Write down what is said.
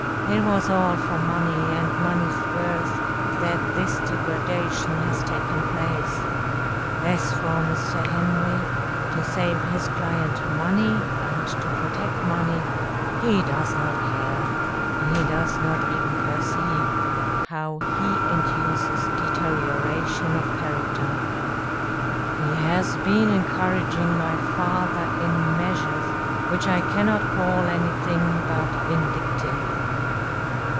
It was all for money, and money's worth, that this degradation has taken place. As for Mr. Henry, to save his client money, and to protect money, he does not care he does not even perceive how he induces deterioration of character. He has been encouraging my father in measures which I cannot call anything but vindictive.